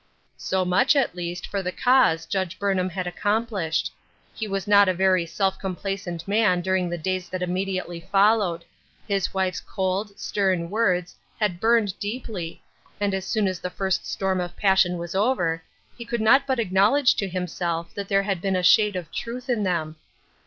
So much, at least, for the cause Judge Burnham had accomplished. He was not a very self com placent man during the days that immediately followed. His wife's cold, stern words had burned deeply, and as soon as the first storm of passion 144 " THE CEED FOR THE WILL." was over, he could not but acknowledge to himself that there had been a shade of truth in them.